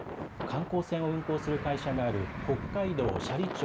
観光船を運航する会社がある北海道斜里町